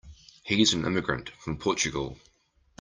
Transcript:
He's an immigrant from Portugal.